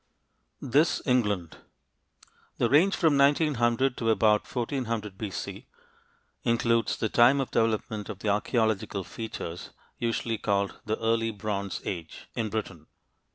"THIS ENGLAND" The range from 1900 to about 1400 B.C. includes the time of development of the archeological features usually called the "Early Bronze Age" in Britain.